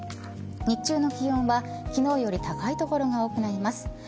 日中の気温は昨日より高い所が多くなります。